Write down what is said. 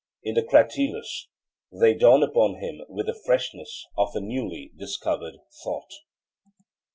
In the Cratylus they dawn upon him with the freshness of a newly discovered thought.